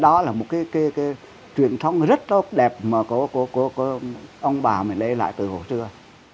đó là một cái truyền thống rất đẹp của ông bà mình đây lại từ hồi xưa